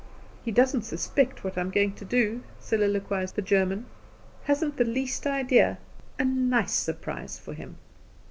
"He doesn't suspect what I'm going to do," soliloquized the German; "hasn't the least idea. A nice surprise for him."